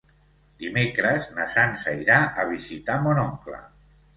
Dimecres na Sança irà a visitar mon oncle.